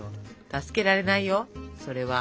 助けられないよそれは。